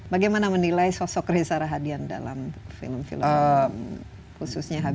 bagaimana menilai sosok rezara hadian dalam film film khususnya happy